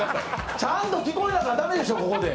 ちゃんと聞こえなきゃ駄目でしょ、ここで。